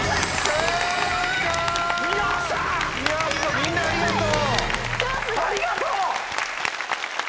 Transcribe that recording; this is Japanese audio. みんなありがとう！